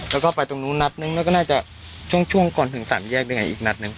แล้วก็ไปตรงนู้นนัดนึงแล้วก็น่าจะช่วงก่อนถึงสามแยกได้ไงอีกนัดหนึ่ง